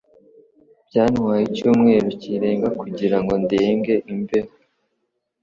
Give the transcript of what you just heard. Byantwaye icyumweru kirenga kugira ngo ndenge imbeho.